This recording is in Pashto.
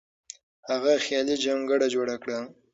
هغه خیالي جونګړه جوړه کړه.